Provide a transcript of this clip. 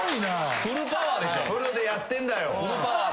フルでやってんだよ。